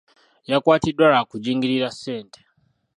Yakwatiddwa lwa kujingirira ssente.